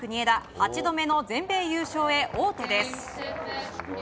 ８度目の全米優勝へ王手です。